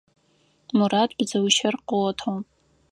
Мурат бзыу щыр къыгъотыгъ.